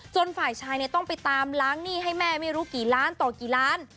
ฝ่ายชายต้องไปตามล้างหนี้ให้แม่ไม่รู้กี่ล้านต่อกี่ล้าน